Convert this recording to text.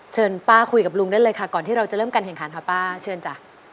เชิญป้าคุยกับลุงได้เลยค่ะก่อนที่เราจะเริ่มการแข่งขันค่ะป้าเชิญจ้ะ